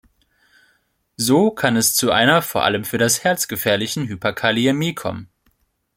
So kann es zu einer vor allem für das Herz gefährlichen Hyperkaliämie kommen.